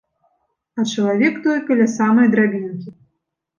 А чалавек той каля самай драбінкі.